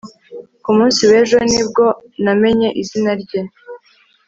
Ku munsi wejo ni bwo namenye izina rye